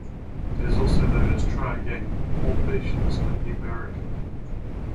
It is also known as Try Again, Old Patience and Numerica.